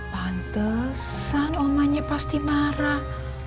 pantesan omanya pasti marah